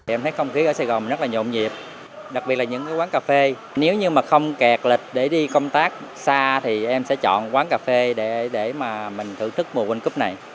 em thấy không khí ở sài gòn rất là nhộn nhịp đặc biệt là những quán cà phê nếu như mà không kẹt lịch để đi công tác xa thì em sẽ chọn quán cà phê để mà mình thưởng thức mùa win cup này